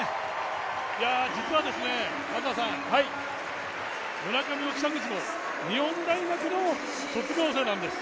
実は村上も北口も日本大学の卒業生なんです。